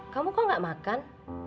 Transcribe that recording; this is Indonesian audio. kamu kok gak makan